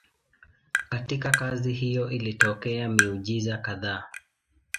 Katika kazi hiyo ilitokea miujiza kadhaa.